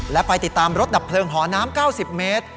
และไปติดตามรถดับเพลิงหอน้ำ๙๐เมตร